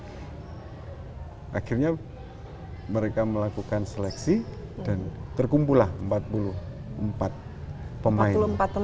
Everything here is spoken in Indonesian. dari itu saya melempar tantangan akhirnya mereka melakukan seleksi dan terkumpulah empat puluh empat pemain